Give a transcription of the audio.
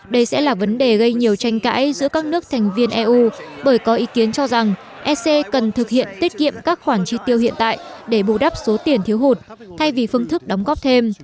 đây sẽ là vấn đề gây nhiều tranh cãi giữa các nước thành viên eu bởi có ý kiến cho rằng ec cần thực hiện tiết kiệm các khoản chi tiêu hiện tại để bù đắp số tiền thiếu hụt thay vì phương thức đóng góp thêm